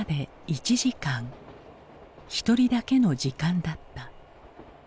一人だけの時間だった。